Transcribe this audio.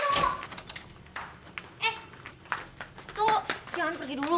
tuh jangan pergi dulu